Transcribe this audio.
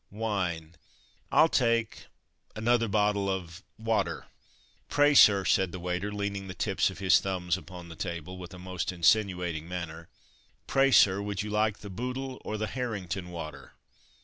wine! I'll take another bottle of 'water.'" "Pray, sir," said the waiter (leaning the tips of his thumbs upon the table) with a most insinuating manner "Pray, sir, would you like the Bootle or the Harrington water?"